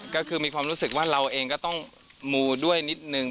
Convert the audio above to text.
ก็คือมีความรู้สึกว่าเราเองก็ต้องมูด้วยนิดนึง